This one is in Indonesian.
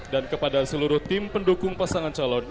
dan kepada seluruh tim pendukung pasangan calon